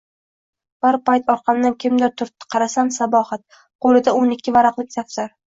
Bir payt orqamdan kimdir turtdi, qarasam, Sabohat, qo`lida o`n ikki varaqlik daftar